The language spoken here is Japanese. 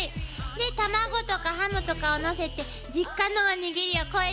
で卵とかハムとかをのせて実家のおにぎりを超えていったのよ。